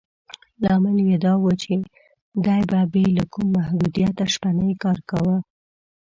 لامل یې دا و چې دې به بې له کوم محدودیته شپنی کار کاوه.